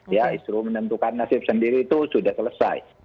isu menentukan nasib sendiri itu sudah selesai